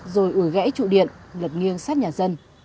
rồi ửa gãy trụ điện lật nghiêng sát nhà dân